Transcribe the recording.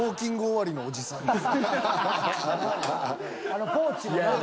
あのポーチもな。